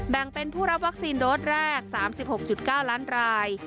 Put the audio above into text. แบ่งเป็นผู้รับวัคซีนโดสแรก๓๖๙ล้านราย